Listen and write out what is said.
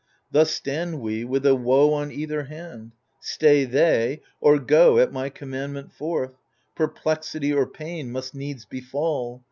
Thus stand we with a woe on either hand : Stay they, or go at my commandment forth, Perplexity or pain must needs befall.